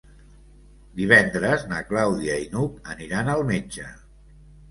Divendres na Clàudia i n'Hug aniran al metge.